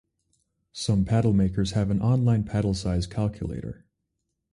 Some paddle makers have an online paddle size calculator.